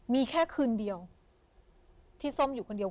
มีแค่คืนเดียวที่ส้มอยู่คนเดียว